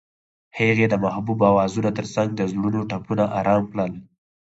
هغې د محبوب اوازونو ترڅنګ د زړونو ټپونه آرام کړل.